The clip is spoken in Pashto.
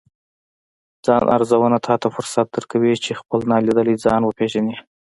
ځان ارزونه تاته فرصت درکوي، چې خپل نالیدلی ځان وپیژنې